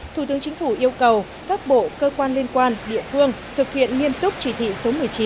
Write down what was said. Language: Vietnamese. thủ tướng chính phủ yêu cầu các bộ cơ quan liên quan địa phương thực hiện nghiêm túc chỉ thị số một mươi chín